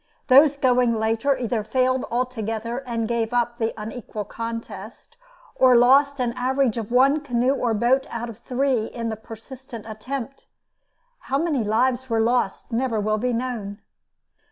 Those going later either failed altogether and gave up the unequal contest, or lost an average of one canoe or boat out of three in the persistent attempt. How many lives were lost never will be known.